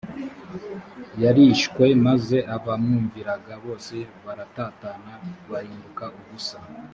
yarishwe maze abamwumviraga bose baratatana bahinduka ubusa